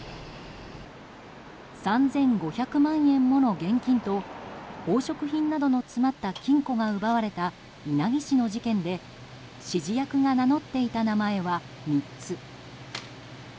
３５００万円もの現金と宝飾品などの詰まった金庫が奪われた稲城市の事件で指示役が名乗っていた名前は３つ。